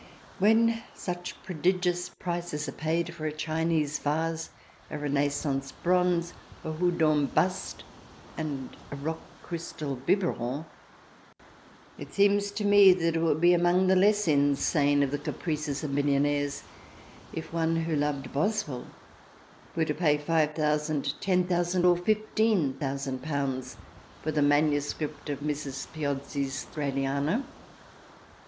When such prodigious prices are paid for a Chinese Vase, a Renaissance Bronze, a Houdon Bust and a rock crystal biberon, it seems to me that it would be among the less insane of the caprices of millionaires if one who loved Boswell were to pay ^5000, ^10,000, or ^15,000 for the MS. of Mrs. Piozzi's Thraliana.